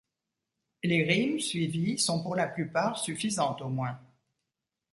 Les rimes, suivies, sont pour la plupart suffisantes au moins.